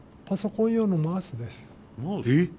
パソコン用のマウスです。